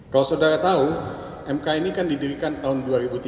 kalau saudara tahu mk ini kan didirikan tahun dua ribu tiga belas